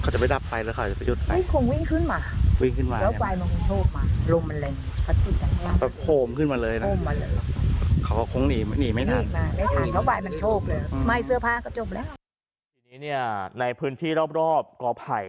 ทีนี้เนี่ยในพื้นที่รอบกอไผ่